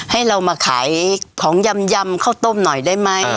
ให้เรามาขายของยำข้าวต้มหน่อยได้ไหม